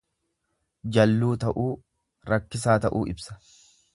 Jalluu ta'uu, Rakkisaa ta'uu ibsa.